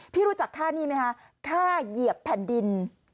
รู้จักค่าหนี้ไหมคะค่าเหยียบแผ่นดิน